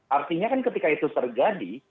artinya kan ketika itu terjadi